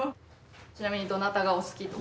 ちなみにどなたがお好きとか。